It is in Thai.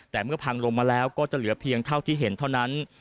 แต่เมื่อพังลงมาแล้วก็จะเหลือเพียงเท่าที่เห็นเท่านั้น